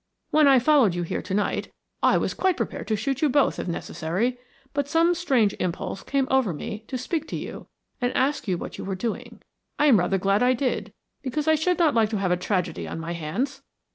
When I followed you here to night I was quite prepared to shoot you both if necessary, but some strange impulse came over me to speak to you and ask you what you were doing. I am rather glad I did, because I should not like to have a tragedy on my hands.